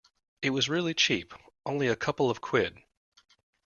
It was really cheap! Only a couple of quid!